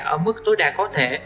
ở mức tối đa có thể